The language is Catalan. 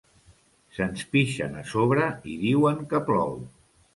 Se'ns pixen a sobre i diuen que plou.